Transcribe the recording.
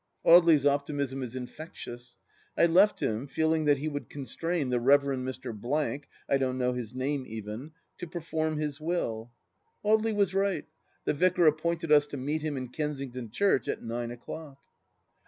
Audely's optimism is infectious. I left him, feeling that he would constrain the Reverend Mr. I don't know his name, even — ^to perform his wUl. Audely was right. The Vicar appointed us to meet him in Kensington Church at nine o'clock.